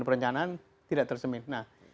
perencanaan tidak tersemin nah